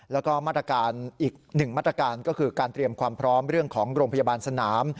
แล้วก็มาตรการอีกหนึ่งมาตรการก็คือการเตรียมความพร้อมเรื่องของโรงพยาบาลสนาม